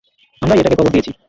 আমরাই এটাকে কবর দিয়েছি।